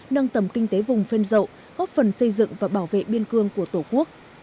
nâng tầm kinh tế vùng phên rậu góp phần xây dựng và bảo vệ biên cương của tổ quốc